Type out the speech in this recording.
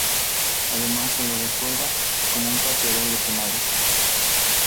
Además se lo recuerda como un pateador de penales.